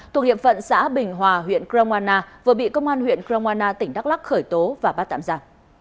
thuộc hiệp phận xã bình hòa huyện kramwana vừa bị công an huyện kramwana tỉnh đắk lắc khởi tố và bắt tạm ra